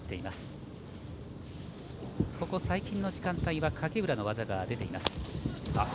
最近の時間帯は影浦の技が出ています。